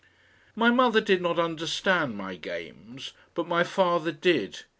My mother did not understand my games, but my father did.